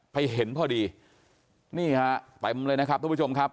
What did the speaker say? เห็นพอดีนี่ฮะเต็มเลยนะครับทุกผู้ชมครับ